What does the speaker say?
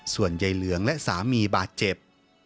ส่วนใยเหลืองและสามีบาดเจ็บ